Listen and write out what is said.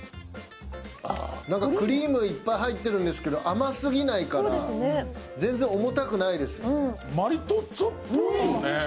なんかクリームいっぱい入ってるんですけど甘すぎないから全然重たくないですよね。